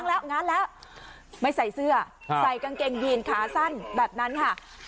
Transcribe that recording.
แล้วง้านแล้วไม่ใส่เสื้อใส่กางเกงยีนขาสั้นแบบนั้นค่ะ